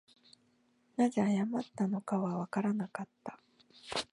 何故謝ったのかはわからなかった